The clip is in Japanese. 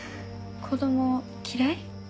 子供嫌い？